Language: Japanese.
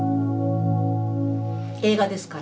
映画ですから。